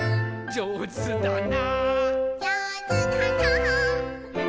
「じょうずだな」